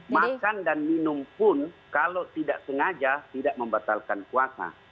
makan dan minum pun kalau tidak sengaja tidak membatalkan puasa